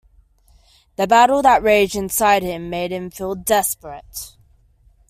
The battle that raged inside him made him feel desperate.